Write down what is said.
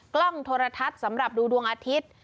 กล้องโทรทัศน์สำหรับดูดวงอาทิตย์